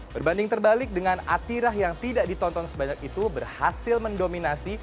berbanding terbalik dengan atirah yang tidak ditonton sebanyak itu berhasil mendominasi